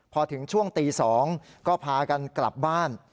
พอถึงช่วงตี๒ก็พากันกลับบ้าน